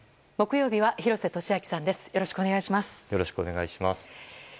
よろしくお願いします。